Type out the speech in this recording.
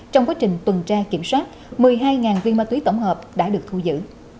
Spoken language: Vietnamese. trong quá trình tuần tra kiểm soát một mươi hai viên ma túy tổng hợp đã được thu giữ